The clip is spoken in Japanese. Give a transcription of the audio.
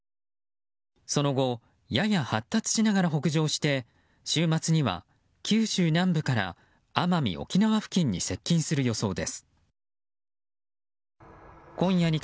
その後やや発達しながら北上して週末には九州南部から奄美・沖縄付近に